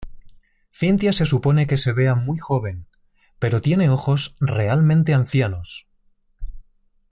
Cynthia se supone que se vea muy joven pero tiene ojos realmente ancianos.